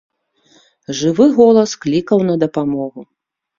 Жывы голас клікаў на дапамогу.